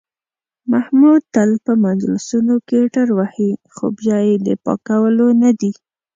محمود تل په مجلسونو کې ټروهي، خو بیا یې د پاکولو نه دي.